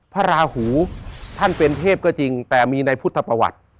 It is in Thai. พระราหูท่านเป็นเทพก็จริงแต่มีในพุทธประวัติ